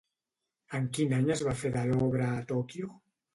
En quin any es va fer de l'obra a Tòquio?